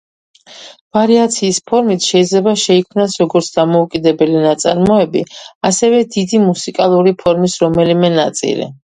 ვარიაციის ფორმით შეიძლება შეიქმნას როგორც დამოუკიდებელი ნაწარმოები, ასევე დიდი მუსიკალური ფორმის რომელიმე ნაწილი.